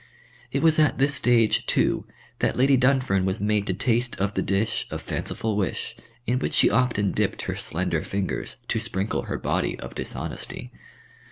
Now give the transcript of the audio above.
It was at this stage, too, that Lady Dunfern was made to taste of the dish of fanciful wish in which she often dipped her slender fingers to sprinkle her body of dishonesty.